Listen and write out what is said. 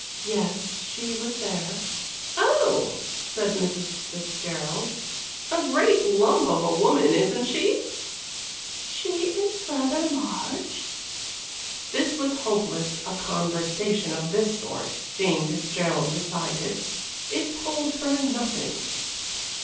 "Yes, she was there." "Oh!" said Mrs. Fitzgerald. "A great lump of a woman, isn't she?" "She is rather large." This was hopeless a conversation of this sort Jane Fitzgerald decided. It told her nothing.